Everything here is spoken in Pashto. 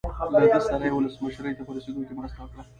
له ده سره یې ولسمشرۍ ته په رسېدو کې مرسته وکړه.